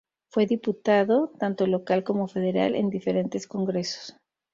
Fue diputado, tanto local como federal, en diferentes congresos.